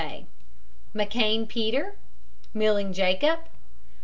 J McKANE, PETER. MILLING, JACOB.